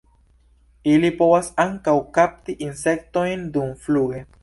Ili povas ankaŭ kapti insektojn dumfluge.